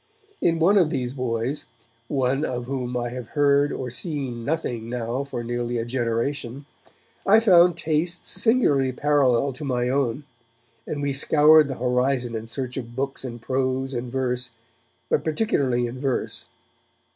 In one of these boys, one of whom I have heard or seen nothing now for nearly a generation, I found tastes singularly parallel to my own, and we scoured the horizon in search of books in prose and verse, but particularly in verse.